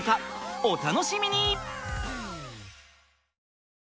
お楽しみに！